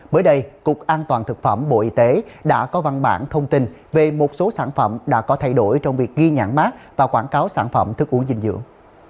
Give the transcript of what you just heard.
mới đây cục an toàn thực phẩm bộ y tế đã có văn bản thông tin về một số sản phẩm đã có thay đổi trong việc ghi nhãn mát và quảng cáo sản phẩm thức uống dinh dưỡng